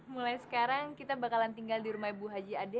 mulai sekarang kita bakalan tinggal di rumah ibu haji ade